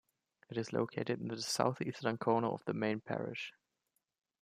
It is located in the south eastern corner of the main parish.